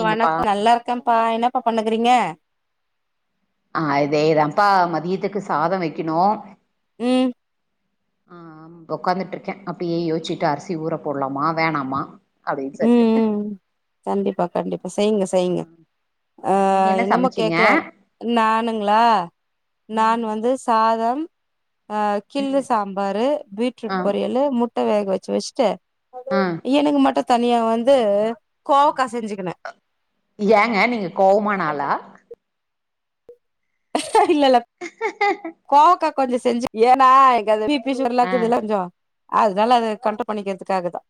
நீங்கப்பா வணக் நல்லா இருக்கேன்ப்பா என்னப்பா பண்ணுகறீங்க அதேதா பா மதியத்துக்கு சாதோ வைக்கணு ம் ஆ ஒக்காந்துட்டு இருக்க அப்டியே யோச்சிட்டு அரிசி ஊற போட்லாமா வேணாமா ன்சல்டு ம் ம் கண்டிப்பா கண்டிப்பா செய்ங்க செய்ங்க ஆ நீங்க என்ன என்னமோ சமச்சீங்க கேட்கலான் நானுங்களா ம் நான் வந்து சாதம் கிள்ளு சாம்பாரு ஆ பீட்ரூட் பொரியலு முட்ட வேக வச்சு வச்ட்டு ஆ எனக்கு மட்டு தனியா வந்து கோவக்கா செஞ்சுக்கன ஏங்க நீங்க கோவமான ஆளா இல்லல்ல கோவக்கா கொஞ்ச செஞ்சு பிசுகர்ல்லா ஆ இருக்குதுல கொஞ்சோ அதுனால அது கண்ட்ரோல் பண்ணிக்கற்துக்காகதா பண்ணிக்கிறதுக்காக தான்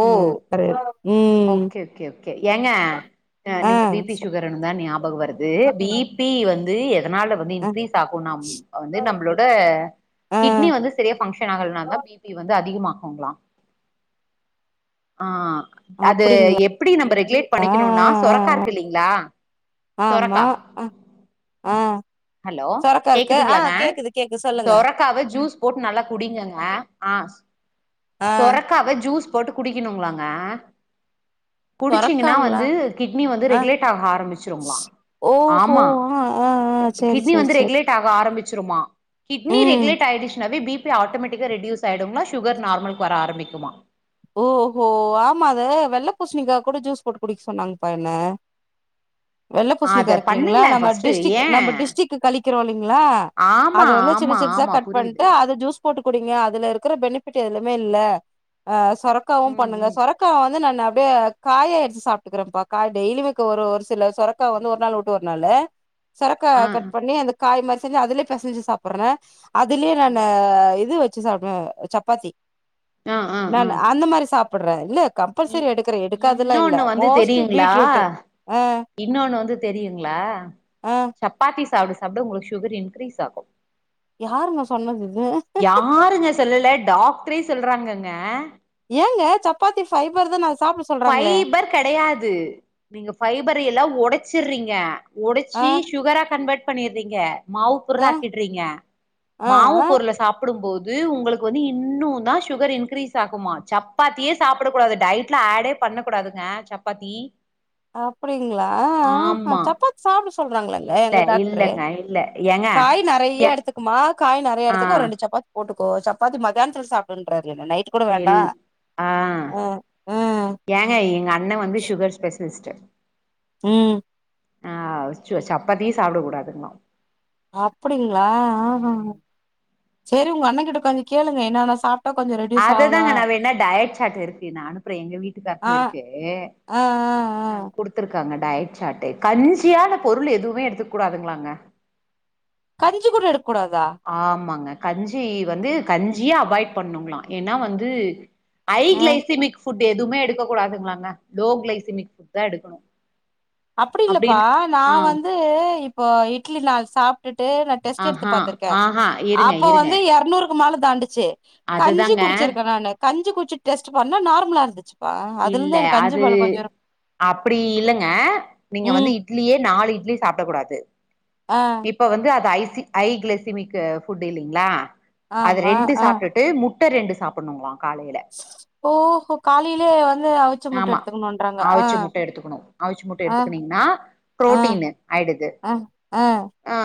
ஓ கரையது ம் ஓகே ஓகே ஓகே ஏங்க ஆ நீங்க பி பி சுகர் தா ஞாபக வருது பி பி வந்து எதனால வந்து ஆ இன்கிரீஸ் ஆகுனா நம் வந்து நம்மளோட ல ஆ கிட்னி வந்து செரியா பங்க்ஷன் ஆகலனாதா பி பி வந்து அதிகமாகுங்ளா ஆ அது அப்படிங்களா எப்டி நம்ம ரெகுலேட் ஆ ஆ பண்ணிக்கணுனா சொரக்கா ஆ இருக்கு இல்லைங்களா ஆமா சொரக்கா ஆ ஹலோ சொரக்கா இருக்கு ஆ கேக்குதுங்களாங்க கேக்குது கேக்குது சொல்லுங்க சொரக்காவ ஜூஸ் போட்டு நல்லா குடிங்கங்க ஆ ஆ சொரக்காவ ஜூஸ் போட்டு குடிக்கணுங்களாங்க குடிச்சீங்கன்னா சொரக்காங்களா வந்து கிட்னி வந்து ஆ ரெகுலேட் ஆக ஆரம்பிச்சிருங்களா ஓஹோ ஆ ஆ ஆ செரி செரி ந்து ரெகுலேட் ஆக ஆரம்பிச்சுருமா கிட்னி ம் ரெகுலேட் ஆயிட்ச்சனாவே பி பி ஆட்டோமேட்டிக்கா ரெடியூஸ் ஆயிடுங்களா சுகர் நார்மலுக்கு வர ஆரம்பிக்குமா ஓ ஹோ ஆமா அத வெள்ள பூசணிக்கா கூட ஜூஸ் போட்டு குடிக்க சொன்னாங்கப்பா என்ன வெள்ள பூசணிக்கா அத இருக்கு இல்லங்களா பண்ணுங்களே நம்ம ஃபர்ஸ்ட்டு டிஸ்டிக் ஏ நம்ம டிஸ்டிக் கழிக்கிறோ இல்லைங்களா ஆமா அத வந்து சின்ன ஆமா சிட்சா ஆமா கட் புரியுது பண்ட்டு அது ஜூஸ் போட்டு குடிங்க அதுல இருக்கற பெனிஃபிட் எதுலியுமே இல்ல ஆ சொரக்காவு ம் பண்ணுங்க ம் சொரக் க்கா வந்து நானு அப்டே காய எடுச்சு சாப்ட்டுக்கறன்ப்பா கா டெய்லியு ஒரு ஒரு சில சொர க்கா வந்து ஒரு நாள் உட்டு ஒரு நாளு சொரக்கா ஆ கட் பண்ணி அந்த காய் மாரி செஞ்சு அதுலே பெசஞ்சி சாப்பட்ற அதுலயே ஆ நானு இது வச்சி சாப்டுவே சப்பாத்தி ஆ ஆ ஆ ப்பட்ற இல்ல இ கம்பல்செரி எடுக்கற எடுக்காதுல்லா இல்ல இன்னொன்னு வந்து மோஸ்ட்லி தெரியுங்களா பீட்ரூட் ஆ இன்னொன்னு வந்து தெரியுங்களா ஆ சப்பாத்தி சாப்ட சாப்ட உங்களுக்கு சுகர் இன்க்ரீஸ் ஆகு யாருங்க சொன்னது இது யாருங்க சொல்லல டாக்ரே சொல்றாங்கங்க ஏங்க சப்பாத்தி ஃபைபர் தான அது சாப்ட சொல்றாங்களே ஃபைர் கெடையாது நீங்க ஃபைபர் எல்லா ஒடச்சிறீங்க ஆ உடச்சி சுகரா கன்வெர்ட் பண்ணிறீங்க மாவு பொருளா ஆ ஆக்கிட்றீங்க ஆ மாவு ஆ பொருள சாப் ப்படும் போது உங்களுக்கு வந்து இன்னும் தா சுகர் இன்கிரீஸ் ஆகுமா சப்பாத்தியே சாப்பட கூடாது டைட்ல ஆடே பண்ணக்கூடாதுங்க சப்பாத்தி அப்டிங்களா ஆ ஆமா சப்பாத்தி சாப்ட சொல்றாங்களாங்க இல்ல எங்க டாக்டரு இல்லங்க இல்ல ஏங்க காய் நறையா ஏ எடுத்துக்குமா காய் நறையா ஆ எடுத்துக்கோ ஒரு ரெண்டு சப்பாத் போட்டுக்கோ சப்பாத்தி மத்தியானத்துத்துல சாப்புடுன்றாரு என்ன நைட்டு கூட இல் வேண்டாம் ஆ ம் ம் ஏங்க எங்க அண்ணன் வந்து சுகர் ஸ்பெஷலிஸ்ட் ம் ஆ சப்பாத்தியே சாப்ட கூடாதுங்கிரா அப்டிங்களா ஆஹ ம் செரி உங்க அண்ணங்கிட்ட கொஞ்சம் கேளுங்க என்னனா சாப் அதுதாங்க நா வேணா டயட் சாட் இருக்கு நா அனுப்புறே எங்க ஆ வீட்டுகாருக்கும் இருக்கு ஆ குடுத்துருக்காங்க டயட் சாட்டு கஞ்சியான பொருள் எதுவுமே எடுத்துக்கூடாதுங்களாங்க கஞ்சி கூட எடுக்கூடாதா ஆமாங்க கஞ்சி வந்து கஞ்சியே அவாய்ட் பண்ணுங்களாம் ஏன்னா வந்து ஐ ஆ கிளைசிமிக் ஃபுட்டு எதுவுமே எடுக்கக் கூடாதுங்களாங்க லோ கிளைசிமிக் ஃபுட் தான் எடுக்கணும் அப்டி இல்லப்பா நா வந்து இப்போ இட்லி நா சாப்ட்டுட்டு நா டெஸ்ட்டு எடுத்து ஆஹா பாத்துருக்கேன் ஆஹா இருங்க அப்போ இருங்க வந்து எரநூறு க்கு மேல தாண்டுச்சி கஞ்சி அதுதாங்க குடிச்சிருக்கன் நானு கஞ்சி குடிச்சிட்டு டெஸ்ட்டு பண்ண நார்மலா இருந்துச்சி ஆ அதுல இல்ல இருந்தே எனக்கு கஞ்சி அது மேல கொஞ்சம் இரு அப்டி இல்லங்க நீங்க ம் வந்து இட்லியே நாலு இட்லி சாப்டக் கூடாது ஆ இப்ப வந்து அது ஐசி ஐ கிளசிமிக்கு ஃபுட்டு இல்லைங்களா அது ஆமா ரெண்டு ஆ சாப்ட்டு ட்டு முட்ட ரெண்டு சாப்பணுங்களாம் காலையில ஓஹோ காலையிலே வந்து அவி ச்ச முட்ட ஆமா எடுத்துக்கணுன்றாங்க ஆ அவிச்ச முட்ட எடுத்துக்கணு அவிச்ச முட்ட ஆ எடுத்துக்கனீங்கன்னா ஆ புரோட்டீனு ஆயிடுது ஆ ஆ ஆ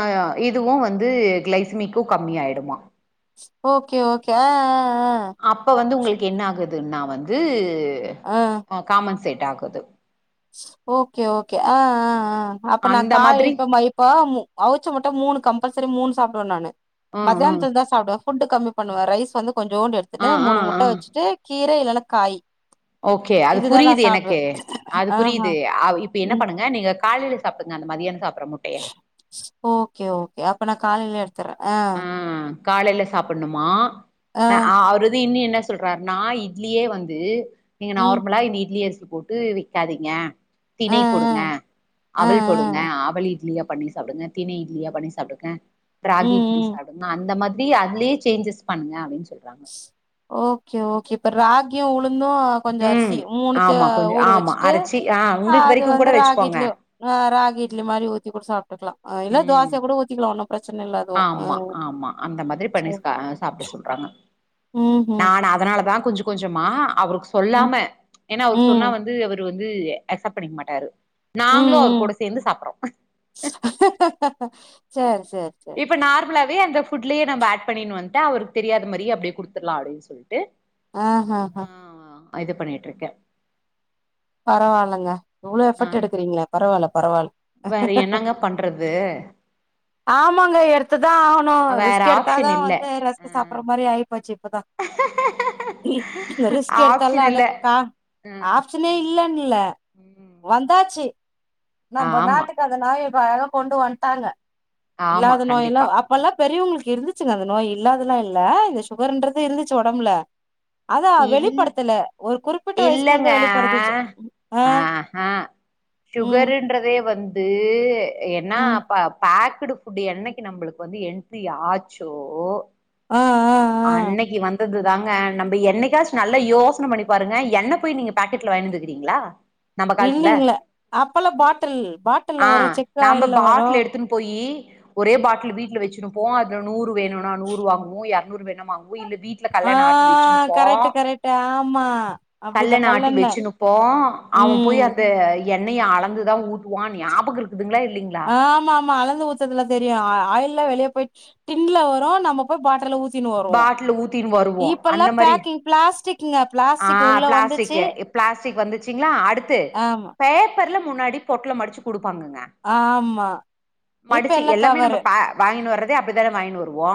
இதுவும் வந்து கிளைசிமிக்கும் கம்மியா ஆயிடுமா ஓகே ஓகே ஆ ஆ ஆ அப்ப வந்து உங்களுக்கு என்ன ஆகுதுன்னா வந்து ஆ, ஆ. காமன்சேட் ஆகுது ஓகே ஓகே ஆ ஆ ஆ அப்ப நா அந்த காலை மாதிரி இப்ப மு இப்போ அவுச்ச முட்ட மூனு கம்பல்செரி மூனு சாப்டுவன் நானு ஆ ஆ மத்தியானத்துல தா சாப்டுவேன் ஃபுட்டு கம்மி பண்ணுவன் ரைஸ் வந்து கொஞ்சோண்டு ஆ எடுத்துனு ஆ மூணு ஆ முட்ட வச்சிட்டு கீர இல்லன்னா காயி ஓகே அது புரியிது எனக்கு அது ஆஹா. புரியிது ஆ இப்ப என்ன ம். பண்ணுங்க நீங்க காலையில சாப்டுங்க அந்த மதியானம் சாப்பற முட் ஓகே ஓகே அப்ப நா காலையில எடுத்துறன் ஆ ம் காலையில சாப்பணுமா ஆ அவரது இன்னும் என்ன சொல்றாருன்னா இட்லியே வந்து நீங்க ம். நார்மலா இந்த இட்லி அரிசி போட்டு விக்காதீங்க ஆ, திணை போடுங்க ஆ, ஆ, அவல் ஆ. போடுங்க அவல் இட்லியா பண்ணி சாப்டுங்க தினை இட்லியா பண்ணி சாப்டுங்க ம் ராகி இட்லி ம் சாப்டுங்க அந்த மாதி ரி அதுலே சேஞ்சஸ் பன்னுங்க அப்டின் சொல்றாங்க ஓகே ஓகே இப்ப ராகியும் உளுந்தும் கொஞ்சம் ம் அரிசி மூணுத்தயு ஆமா கொஞ்சோ ஊற ஆமா வச்சிட்டு அரச்சி ஆ உங்களுக்கு அது வரைக்கு வந்து கூட ராகி வச்சுக்கோங்க இட்லி ஆ ராகி இட்லி ம் மாரி ஊத்தி கூட சாப்ட்டுக்கலா இல்ல ம் தோசயா கூட ஊத்திக்கலாம் ஒன்னு பிரச்சன இல்ல அது ஆமா ஆமா அந்த மாதிரி பண்ணி சாப்ட சொல்றாங்க ம் ம் நானு அதனால தா கொஞ்ச கொஞ்சமா அவருக் ம் சொல்லாம ஏன்னா அவரு சொன்னா ம் வந்து அவரு வந்து அக்சப்ட் பண்ணிக்க மாட்டாரு நாங்களு அவர் கூட சேந்து சாப்பிட்றோ சேர் சேர் இப்ப நார்மலாவே அந்த புட்லயே நம் ஆட் பண்ணினனு வந்துட்டு அவருக்கு தெரியாத மாரியே அப்டி குடுத்தறலா அப்டின்னு சொல்ட்டு ஆஹாஆ ஆ இது பண்ணிட்டு இருக்கே பரவாயில்லங்க இவ்ளோ ஆ எஃபர்ட் எடுக்கறீங்களே பரவாயில்ல பரவாயில்ல வேற [unintelligible] ஆமாங்க எடுத்துதா ஆக னு வேற ரிஸ்க் ஆப்ஷன் எடுத்தாதா இல்ல வந்து ரஸ்க் சாப்பற மாரி ஆயிப்போச்சு இப்பதா ரிஸ்க ஆ ஆப்ஷன் எடுத்தல்ல அது இல்ல [unintelligible] ம் பிரச்சனயே இல்லனு இல்ல வந்தாச்சு நம்ம ஆமா நாட்டுக்கு அந்த [unintelligible] கொண்டு வன்டாங்க ஆமா இல்லாத நோய் எல்லா கண்டிப்பா. அப்பல்லா பெரியவங்களுக்கு இருந்துச்சுங்க அந்த நோயி இல்லாதெல்லா இல்ல இந்த சுகர்ன்றது இருந்துச்சு ஒடம்புல அதா இல் வெளிப்படுத்தல ஒரு குறிப்பிட்ட வயசுக்கு வந்து வெளி ஆ ஆஹா ம் சுகருன்றதே வந் து என்னா ம் பேக்குடு ஃபுட்டு என்னிக்கி நம்மளுக்கு வந்து என்ட்ரி ஆச்சோ ஆ ஆ ஆ அன்னிக்கி வந்தது தாங்க என்னைக்காச்சு நல்லா யோசன பண்ணி பாருங்க எண்ண போயி நீங்க பாக்கெட்ல வாங்கி வந்துறீக்கீங்களா நம்ம காலத்துல இல்லைங்கள அப்பெல்லா பாட்டில் பாட்டில்ல ஆ வரு செக்கு நாம ஆயில்ல வரு பாட்டில் எடுத்துன்னு போயி ஒரே பாட்டில் வீட்ல வெச்சுரு போ அதுல நூறு வேணுனா நூறு வாங்குவோ எர்நூறு வேணு வாங்குவோ இல்ல வீட்ல ஆ கல்லெண்ண ஆட்டி வெச்சு போ கரெக்ட் கரெக்ட் ஆமா அப்டிதா கல்லண்ண ஆட்டி கல்லெண்ண வெச்சுநுப்போ அவ ம் போய் அந்த எண்ணெய அளந்துதா ஊத்துவா ஞாபக இருக்குதுங்களா இல்லிங்ளா ஆமா ஆமா அளந்து ஊத்துறல தெரியு ஆயில் வெளியே போய் டின்ல வரு நம்ம போய் பாட்டில் ஊ த்தினு வருவோ பாட்டில ஊத்தின்னு வருவோ இப்பெல்லா அந்த மாரி பேக்கிங் பிளாஸ்டிக்குங்க ஆ பிளாஸ்டிக் உள்ள வந்துச்சு பிளாஸ்டிக்கு பிளாஸ்டிக் வந்துச்சுங்களா அடுத்து ஆமா பேப்பர்ல முன்னாடி பொட்ல மடிச்சு குடுப்பாங்கங்க ஆமா இப்ப மடிச்சு எல்லா எல்லாமே நம்ம கவரு பா வாங்கினு வர்றதே அப்டித்தான வாங்கினு வருவோ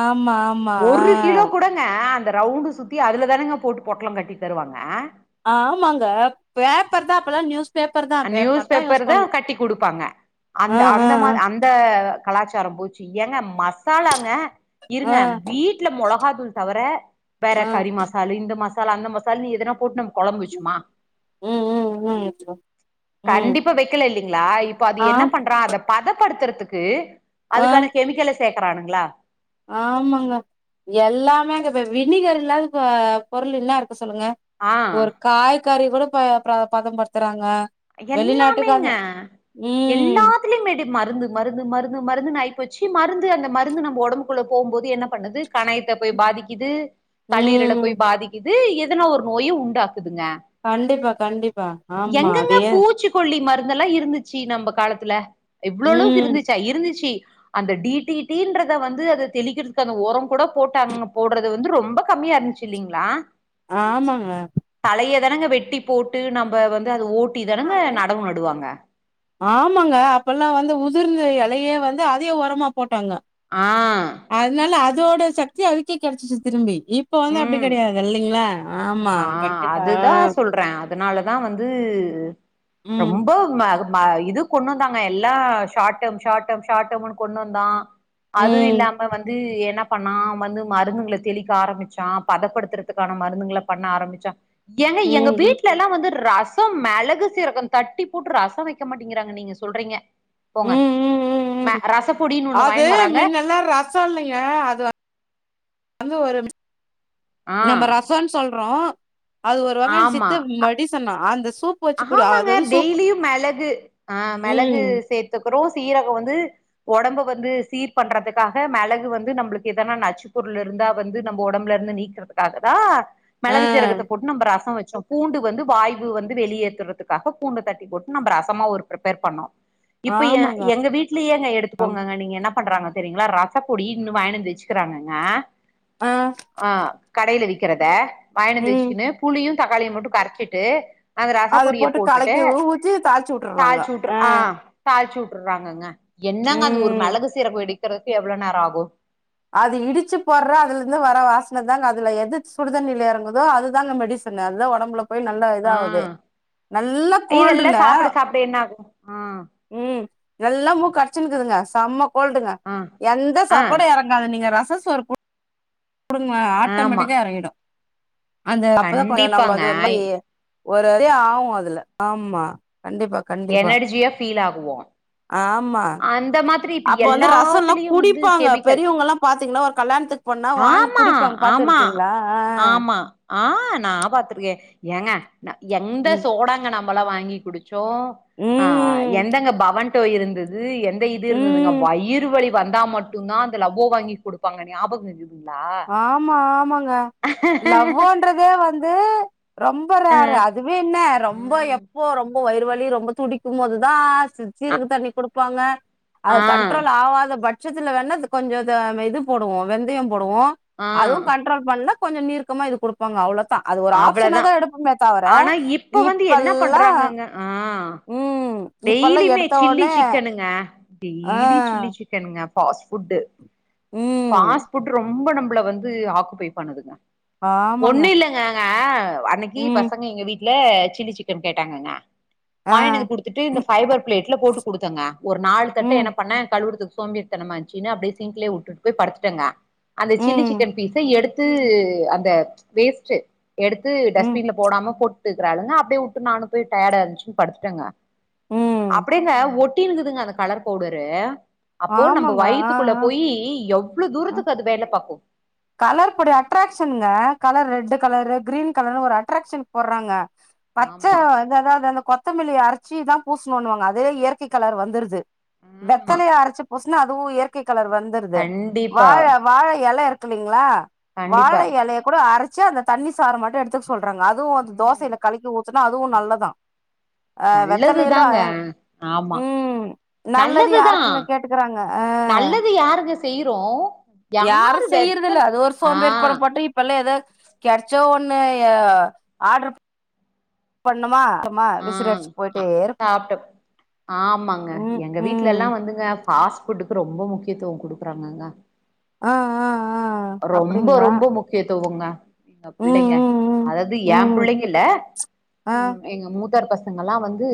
ஆமா ஆமா ஆ ஒரு கிலோ கூடங்க அந்த ரவுண்டு சுத்தி அதுல தானேங்க போட்டு பொட்ல கட்டி தருவாங்க ஆமாங்க பேப்பர்தா அப்பெல்லா நியூ நியூஸ் பேப்பர் தா கட்டி குடுப்பாங்க ஆ அந்த ஆ அந்த மா அந் அந்த கலாச்சாரம் போச்சு ஏங்க மசாலாங்க இருங்க ஆ வீட்ல மொளகா தூள் தவிர வேற ஆ கறி மசாலு இந்த மசா லு அந்த மசால்னு எதனா போட்டு நம்ம கொழம்பு வெச்சமா ம் ம் ம் ம் கண்டிப்பா வைக்கல இல்லிங்களா இப்ப ஆ அது என்ன பண்றா அத பதப்படுத்துறதுக்கு ஆ அதுக்கான கெமிக்கல சேக்கறானுங்களா ஆமாங்க எல்லாமேங்க வினிகர் இல்லாத பொருள் என்னா இருக்கு சொல்லுங்க ஆ ஒரு காய்கறி கூட ப பதம்படுத்துறாங்க வெளிநாட்டுக்காக எல்லாமேங்க ம் [unintelligible] மருந்து மருந்து மருந்து மருந்துனு ஆயிப்போச்சு மருந்து அந்த மருந்து நம்ம ஒடம்புக்குள்ள போம் போது என்ன பண்ணுது கணையத்த போய் பாதிக்குது கல்லிறல ம் போய் பாதிக்குது எதனா ஒரு நோய உண்டாக்குதுங்க கண்டிப்பா கண்டிப்பா ஆமா எங்கங்க அதே பூச்சிக்கொல்லி மருந்தெல்லா இருந்துச்சு நம்ம காலத்துல இவ்ளோ அளவுக்கு ம் இருந்துச்சா இருந்துச்சு அந்த டி டி டின்றத வந்து அதூ தெளிக்கிறதுக்கு அந்த ஒரம் கூட போட்டங்க போடுறது வந்து ரொம்ப கம்மியா இருந்துச்சு இல்லைங்ளா ஆமாங்க தலையதானங்க வெட்டி போட்டு நம்ம வந்து அத ஓட்டி தானங்க நடவு நடுவாங்க ஆமாங்க அப்பல்லா வந்து உதிர்ந்த இலையே வந்து அதே ஒரமா போட்டாங்க ஆ அதனால அதோட சக்தி அதுக்கே கெடைச்சிச்சு திரும்பி இப்ப வந்து அப்டி ம் கெடையாது இல்லைங்களா ஆமா ஆ கண்டிப்பா அதுதா சொல்றே அதுனாலதா வந்து ம் ரொம்ப மா ம இது கொண்டு வந்தாங்க எல்லா ஷர்ட்ம் ஷா்டம் ஷா்டம்னு கொண்டு வந்தா அது ம் இல்லாம வந்து என்ன பண்ணா வந்து மருந்துங்களை தெளிக்க ஆரம்பிச்சா பதப்படுத்துறதுக்கான மருந்துங்கள பண்ண ஆரம்பிச்சா எங்க எங்க ம் வீடல எல்லா வந்து ராச ம் மிளகு சீரகம் தட்டி போட்டு ரசம் மாட்டேங்கிறாங்க நீங்க சொல்றீங்க போங்க ம் ம் ம் மே ம் ரச பொடினு ஒண்ணு வராங்க சொல்லுங்க அது வ ந்து ஒரு ஆ நம்ம ரசோனு சொல்றோ அது ஒரு வகையான்ன ஆமா சித்த மடி ன்னா அந்த சூப் வச்சு குடி அது ஆமாங்க வந்து சூப் டெய்லியு மிளகு ஆ மிளகு ம் சேத்துக்கறோ சீரகம் வந்து உடம்பு வந்து சீர் பண்றதுக்காக மிளகு வந்து நம்மளுக்கு எதன நச்சு பொருள் இருந்தா வந்து நம்ம உடம்புல இருந்து நீக்குறதுக்காகதா ஆ மிளகு சீரகத்தை போட்டு நம்ம ரசோ வச்சோ பூண்டு வந்து வாய்வு வந்து து வெளியேற்றுறதுக்காக பூண்டு தட்டி போட்டு நம்ம ரசமா ஒரு பிபேர் பண்ணோ இப்ப எ ஆமாங்க எங்க வீடலயே எங்க எடுத்துக்கோங்கங்க நீங்க என்ன பண்றாங்க தெரிங்களா ரசப்பொடி இன்னு வாங்கினுந்து வச்சுக்கறாங்கங்க ஆ ஆ கடையில விக்கிறத வாங்கினந்து ம் வச்சுக்கனு புளி யு தக்காளியு மட்டு கரச்சிட்டு அந்த ரச அத பொடிய போட்டு போட்டுட்டு கலக்கி ஊத்தி தாளிச்சு வுட்டுறாங்க தாளிச்சு விட்டுரு ஆ தாளிச்சு விட்டுறாங்கங்க என்னங்க அது ஒரு ம் மிளகு சிரகோ இடிக்கிறதுக்கு எவ்ளோ நேரோ ஆகு அது இடிச்சு போடுற அதுல இருந்து வர வாசன தாங்க அதுல எது சுடுதண்ணில இறங்குதோ அது தாங்க மெடிச சனு அத ஒடம்புல போய் நல்ல இத ஆ ஆகுது நல்லா கோல்டுல்ல இதெல்லாம் சாப்பிட சாப்பிட என்ன ஆகும் ஆ ம் நல்லா மூக் கடைச்சின்னுக்குதுங்க செம்ம கோல்டுங்க ஆ எந்த ஆ சாப்பாடு இறங்காது நீங்க ரசோ சோறு போ குடுங்க ஆமா ஆட்டோமேட்டிக்கா இறங்கிடு அந்த அப்பதா கொஞ்சோ நம்மள கண்டிப்பாங்க வந்து ஒரு ஒரு வழி ஆகு அதுல ஆமா கண்டிப்பா கண்டிப்பா எனர்ஜியா ஃபீல் ஆகுவோ ஆமா அந்த மா திரி இப்ப அப்ப வந்து ரசம்லா எல்லாத்துலயு வந்து குடிப்பாங்க கெமிக்கல் பெரியவங்கல்லா பாத்தீங்கன்னா ஒரு கல்யாணத்துக்கு போனா வாங்கி ஆமா குடிப்பாங்க ஆமா பாத்துருக்கீங்களா ஆ ஆமா ஆ நா பாத்திருக் எ ஏங்க ந எந்த ம் சோடாங்க நம்பளா வாங்கி குடுச் சோ ஆ ம் எந்தெங்க பவன்டோ இருந்தது எந்த இது இருந்ததுங்க ம் வயிறு வலி வந்தா மட்டுதா அந்த லவ்வோ வாங்கி குடுப்பாங்க ஞாபகோ இருக் ஆமா ஆமாங்க லவ்வோன்ற தே வந்து ரொம்ப ஆ ரேரு அதுவே என்ன ரொம்ப ம் எப்போ ரொம் போ வயிரு வலி ரொம்ப துடிக்கு போதுதா ச அ ஜீரக தண்ணி குடுப்பாங்க அது ஆ கண்ட்ரோல் ஆவாத பட்சத்துல வேணா இது கொஞ்ச இத இது போடுவோ வெந்தயோ போடுவோ ஆ அதுவு கண்ட்ரோல் பண்ல கொஞ்ச நீர்க்கமா இது குடுப் பாங்க அவ்ளோதா அது ஒரு ஆப்ஷன அவ்ளதா தா எடுப்போமே தவர ஆனா இப்ப வந்து என்ன இப்பெல்லா பண்றாங்கங்க ஆ ம் இப்பல்லா டெய்லியுமே எடுத்த சில்லி ஒட்னே சிக்கனுங்க ஆ டெய்லி சில்லி சிக்கனுங்க ஃபாஸ்ட் ஃபுட்டு ம் ஃபாஸ் ஃபுட்டு ரொம்ப நம்மள வந்து ஆக்குபை பண்ணுதுங்க ஆமாங்க ஒண்ணு இல்லங்க [unintelligible] அன்னைக்கி ம் பசங்க எங்க வீட்டுல சில்லி சிக்கன் கேட்டாங்கங்க ஆ வாங்கின் வந்து குடுத் துட்டு இந்த பைபர் பிளேட்ல போட்டு குடுத்தங்க ஒரு நாலு தட்ட ம் எனப் பண்ணே கழுவறத்துக்கு சோம்பேரித்தனமா இருச்சுனு அப்டியே சீங்கலே விட்டு போய் படுதுட்டாங்க அந்த சில்லி ம் சிக்கன் பிசா எடுத்து அந்த வேஸ்ட்டு எடுத்து ம் டஸ்பின்ல போடாம போட்டுய்க்றாளுங்க அப்டியே விட்டு நானு போய் டயடா இருந்துச்சு படுதுட்டேங்க ம் அப்டேங்க ஒட்டின்கிதுங்க அந்த கலர் பவுடரு அப்போ நம்போ ஆமாங்க ஆ வயத்துக்குள்ள ஆ போய் எவ்வளோ ஆ தூரத்துக்கு அது வேல பாக்கு கலர் பொடி அட்ராக்ஷன்ங்க கலர் ரெட்டு கலரு கிரீன் கலர்ன்னனு ஒரு அட்ராகஷனுக் போட்றாங்க பச்ச ஆமா வந்து அதாவ்து அந்த கொத்தமல்லி அரைச்சிதா பூசணுன்னுவாங்க அதே இயற்கை கலர் வந்துருது ஆமா வெத்தலைய அரைச்சு பூசுனா அதுவு இயற்கை கலர் வந்துருது கண்டிப்பா வாழ வாழ எல இருக் கு இல்லலைங்களா வாழ கண்டிப்பா எலையை கூட அரைச்சு அந்த தண்ணி சார மட்டு எடுத் துக்கு சொல்றாங்க அதுவு அந்த ம் தோசையில கலக்கி ஊத்துனா அதுவு நல்லதா அ வெத்தலையில நல்லதுதாங்க ஆமா [inaudible] ம் நல்லது நல்லதுதா யாருக்குங்க கேட்டுக்கறாங்க அ நல்லது யாருங்க செய்றோ யாரு செய்யறதில்ல அது ஒரு ஆ சோம்பேரிதாணுபட்டு இப் பெல்ல ஏதோ [unintelligible] ஒண்ணு ஆர்டரு பண்ணுமா [inaudible] ஆ விசிற அடிச்சு போய்ட்டே அ இருக்குனு சாப்ட்டோ ஆமாங்க எங்க ம் வீட்டுலயெல்லா வந்துங்க பஸ்ஃபுட்க்கு ரொம்ப முக்கியத்துவு குடுக்குறாங்கங்க ஆ ஆ ஆ ரொம்ப அப்டிங்களா ரொம்ப முக்கியத்துவங்க எங்க ம் பிள்ளைங்க ம் அதாவ்து ஏ ம் ம் பிள்ளைங்கல்ல ஆ ம் எங்க மூத்தார் பசங்கெல்லா வந்து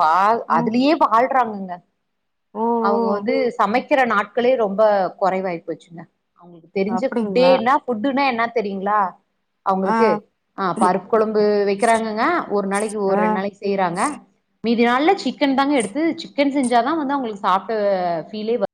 வாழ் ம் அதுலயே வாழ்றாங்கங்க ஓ அவுங்க ஓ வந்து சமைக்கிற நாட்களே ரொம்ப கொறைவாய போச்சுங்க அவுங்களுக்கு தெரிஞ்ச அப்டிங்களா ஃபுட்டேன்னா ஃபுட்டுன்னா என்ன தெரியுங்களா ஆ அவுங்களுக்கு ஆ பருப்பு கெழம்பு வைக்கிறாங்கங்க ஒரு நாளைக்கு ஒரு ஆ ரெண்டு நாளைக்கு செய்யறாங்க மீதி நாளல சிக்கன் தாங்க எடுத்து சிக் கன் செஞ்சா தா வந்து அவுங்களுக்கு சாப்ட்ட ஃபீலே வரு